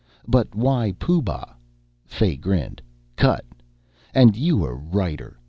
"But why Pooh Bah?" Fay grinned. "Cut. And you a writer.